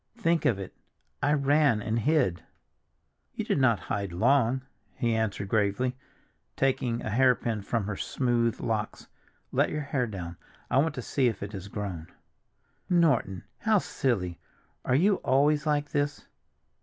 "Think of it! I ran and hid." "You did not hide long," he answered gravely, taking a hairpin from her smooth locks. "Let your hair down, I want to see if it has grown." "Norton! how silly. Are you always like this?"